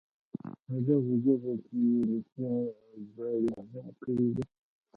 په دغو ژبو کې یې لیکنې او ژباړې هم کړې دي.